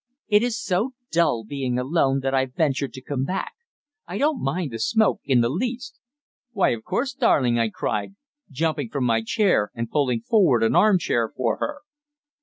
"It is so dull being alone that I've ventured to come back. I don't mind the smoke in the least." "Why, of course, darling!" I cried, jumping from my chair and pulling forward an arm chair for her.